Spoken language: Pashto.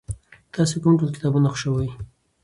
تاسې کوم ډول کتابونه خوښوئ؟